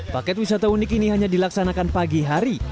paket wisata unik ini hanya dilaksanakan pagi hari